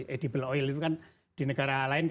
edible oil itu kan di negara lain